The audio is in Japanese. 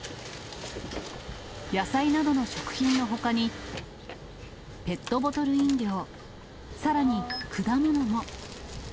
野菜などの食品のほかに、ペットボトル飲料、さらに、果物も。